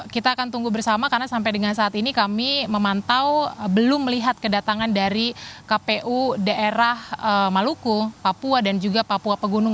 kita akan tunggu bersama karena sampai dengan saat ini kami memantau belum melihat kedatangan dari kpu daerah maluku papua dan juga papua pegunung